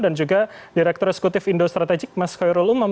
dan juga direktur eksekutif indo strategik mas khairul umam